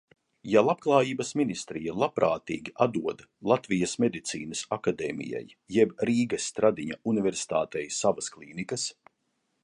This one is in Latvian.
Ja Labklājības ministrija labprātīgi atdod Latvijas Medicīnas akadēmijai jeb Rīgas Stradiņa universitātei savas klīnikas.